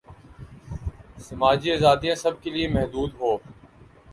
سماجی آزادیاں سب کیلئے محدود ہوں۔